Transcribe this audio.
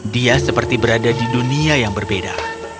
dia seperti berada di dunia yang berbeda